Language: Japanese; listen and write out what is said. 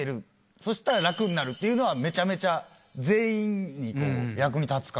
そしたら楽になるっていうのはめちゃめちゃ全員に役に立つかなと思いましたけどね。